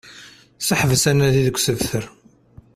Seḥbes anadi deg usebter